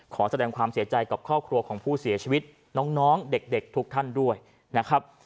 ขอแสดงความเสียใจกับครอบครัวของผู้เสียชีวิตน้องเด็กทุกท่านด้วยนะครับ